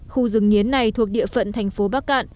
khu rừng nghiến này thuộc địa phận thành phố bắc cạn